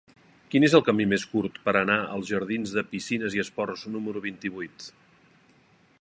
Quin és el camí més curt per anar als jardins de Piscines i Esports número vint-i-vuit?